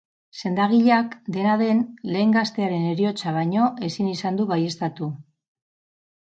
Sendagileak, dena den, lehen gaztearen heriotza baino ezin izan du baieztatu.